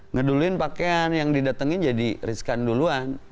ngeduluin pakaian yang didatengin jadi riskan duluan